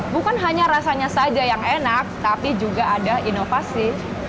bukan hanya rasanya saja yang enak tapi juga ada inovasi